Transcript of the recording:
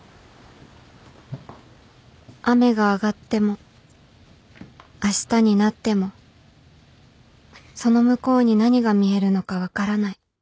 雨が上がってもあしたになってもその向こうに何が見えるのか分からない